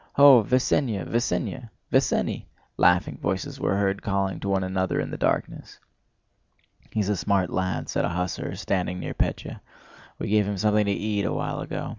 Ho, Vesénya! Vesénya!—Vesénny!" laughing voices were heard calling to one another in the darkness. "He's a smart lad," said an hussar standing near Pétya. "We gave him something to eat a while ago.